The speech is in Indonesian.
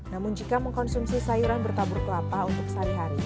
namun jika mengkonsumsi sayuran bertabur kelapa untuk sehari hari